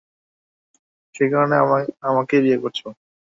সেই কারণেই আমাকে বিয়ে করেছো?